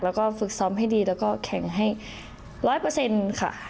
แล้วก็ฝึกซ้อมให้ดีแล้วก็แข่งให้ร้อยเปอร์เซ็นต์ค่ะ